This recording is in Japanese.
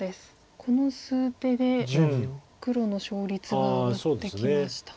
この数手で黒の勝率が上がってきました。